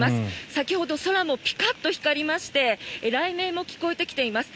先ほど空もピカッと光りまして雷鳴も聞こえてきています。